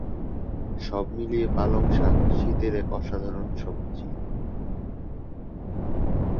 সব মিলিয়ে পালং শাক শীতের এক অসাধারণ সবজি!